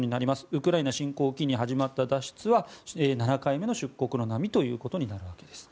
ウクライナ侵攻を機に始まった脱出は７回目の出国の波となるわけです。